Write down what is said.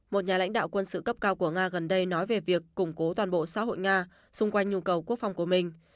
một nhà lãnh đạo quân sự cấp cao của nga gần đây nói về việc củng cố toàn bộ xã hội nga xung quanh nhu cầu quốc phòng của mình